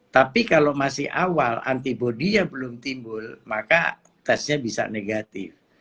tapi kalau masih awal antibody nya belum timbul maka tesnya bisa negatif